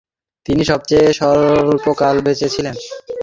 তিনি সবচেয়ে স্বল্পকাল বেঁচে ছিলেন।